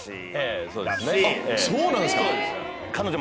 そうなんですか。